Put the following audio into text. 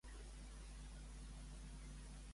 A què va incitar les dones, la Felisa des de l'agrupació?